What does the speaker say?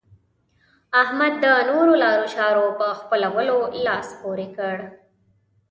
احمد د نورو لارو چارو په خپلولو لاس پورې کړ.